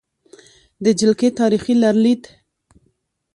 د جلکې تاریخې لرلید: